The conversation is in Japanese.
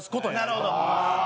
なるほど！